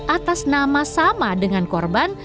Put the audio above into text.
atas nama sama dengan korban